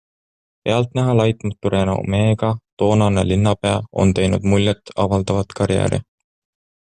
Pealtnäha laitmatu renomeega toonane linnapea on teinud muljet avaldavat karjääri.